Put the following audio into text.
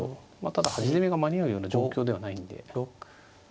ただ端攻めが間に合うような状況ではないんで。